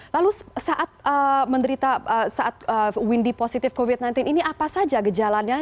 lalu saat menderita saat windy positif covid sembilan belas ini apa saja gejalanya